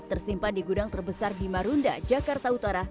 tersimpan di gudang terbesar di marunda jakarta utara